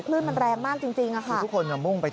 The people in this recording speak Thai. คลื่นมันแรงมากจริงค่ะ